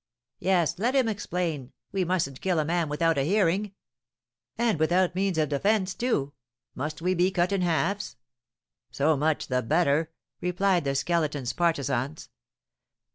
"Yes, let him explain; we mustn't kill a man without a hearing!" "And without means of defence, too! Must we be Cut in Halfs?" "So much the better!" replied the Skeleton's partisans.